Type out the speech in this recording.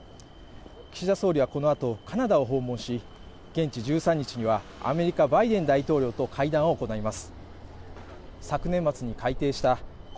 岸田総理はこの後、カナダを訪問し現地１３日にはアメリカ・バイデン大統領と会談を行います。